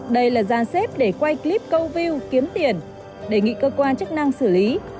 đây là gian xếp để quay clip câu view kiếm tiền đề nghị cơ quan chức năng xử lý